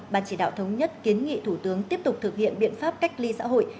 ban chỉ đạo thống nhất kiến nghị thủ tướng tiếp tục thực hiện biện pháp cách ly xã hội